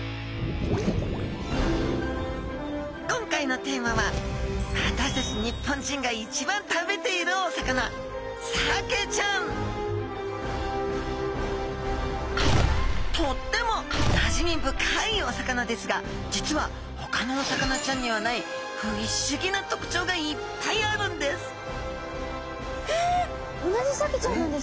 今回のテーマは私たち日本人が一番食べているお魚サケちゃんとってもなじみ深いお魚ですが実はほかのお魚ちゃんにはない不思議な特徴がいっぱいあるんですえ？